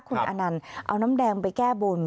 คุณอนันต์เอาน้ำแดงไปแก้บน